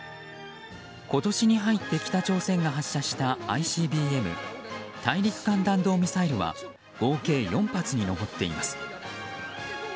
今年に入って北朝鮮が発射したＩＣＢＭ・大陸間弾道ミサイルは合計４発に上っています。